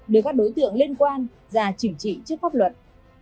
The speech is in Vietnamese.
để các đối tượng liên quan ra chỉnh chỉ trước pháp luật